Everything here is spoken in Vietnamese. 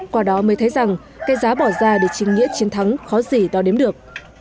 qua đó mới thấy rằng cái giá bỏ ra để trình nghĩa chiến thắng khó gì đo đếm được